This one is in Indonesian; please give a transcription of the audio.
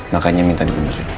makanya minta dibunuh